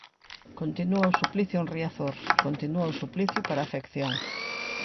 Continúa o suplicio en Riazor, continúa o suplicio para a afección.